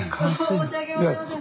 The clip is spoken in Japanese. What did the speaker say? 申し訳ございません。